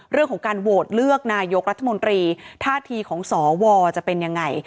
เรื่องของการโหวตเลือกนายกรัฐมนตรีท่าทีของสวจะเป็นยังไง